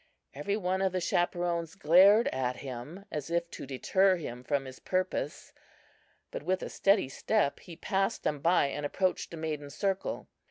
Every one of the chaperons glared at him as if to deter him from his purpose. But with a steady step he passed them by and approached the maidens' circle.